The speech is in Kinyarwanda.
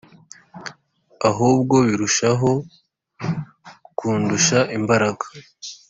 ahubwo birushaho kundusha imbaraga